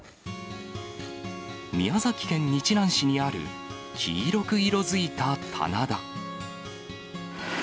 宮崎県日南市にある黄色く色づいた棚田。